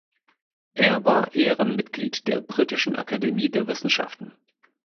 Er war Ehrenmitglied der Britischen Akademie der Wissenschaften.